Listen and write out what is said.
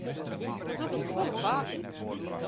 Dat doch ik folle faker.